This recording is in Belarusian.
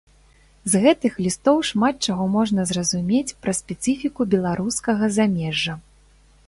З гэтых лістоў шмат чаго можна зразумець пра спецыфіку беларускага замежжа.